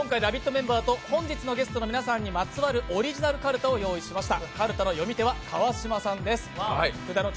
メンバーと本日のゲストの皆さんにまつわるオリジナルカルタを用意しました。